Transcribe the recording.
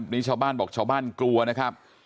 นี่ชาวบ้านบอกชาวบ้านกลัวนะครับ